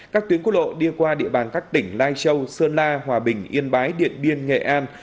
các tuyến quốc lộ đi qua địa bàn các tỉnh lai châu sơn la hòa bình yên bái điện biên nghệ an